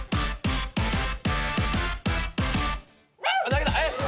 投げた！